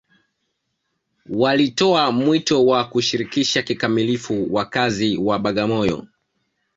walitoa mwito wa kushirikisha kikamilifu wakazi wa bagamoyo